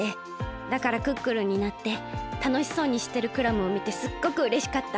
だからクックルンになってたのしそうにしてるクラムをみてすっごくうれしかった。